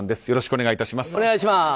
よろしくお願いします。